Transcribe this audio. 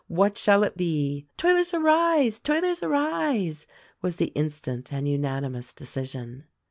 What shall it be?" "Toilers Arise! Toilers Arise!" was the instant and unanimous decision.